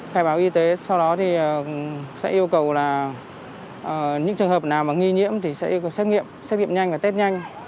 khai báo y tế sau đó thì sẽ yêu cầu là những trường hợp nào mà nghi nhiễm thì sẽ có xét nghiệm xét nghiệm nhanh và test nhanh